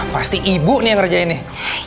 pasti ibu nih yang ngerjain nih